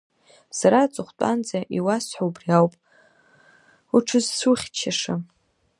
Сара аҵыхәтәанӡа иуасҳәо убри ауп, уҽызцәухьчаша…